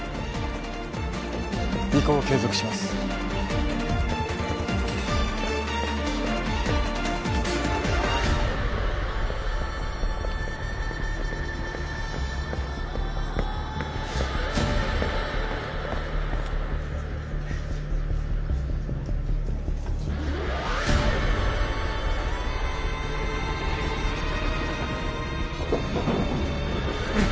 尾行を継続しますうっ！